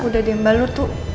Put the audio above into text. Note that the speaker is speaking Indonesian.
udah deh mbak lo tuh